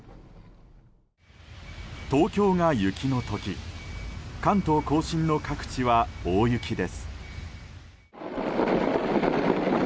東京が雪の時関東・甲信の各地は大雪です。